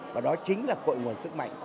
và đó chính là cội nguồn sức mạnh